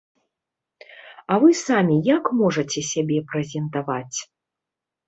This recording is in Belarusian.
А вы самі як можаце сябе прэзентаваць?